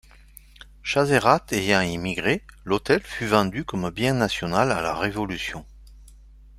Chazerat ayant émigré, l’hôtel fut vendu comme bien national à la Révolution.